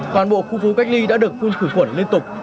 toàn bộ khu phú cách ly đã được phun khử quẩn liên tục